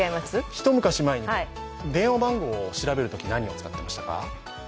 一昔前に、電話番号を調べるとき何を使っていましたか？